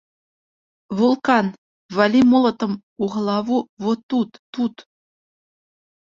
Вулкан, валі молатам у галаву во тут, тут!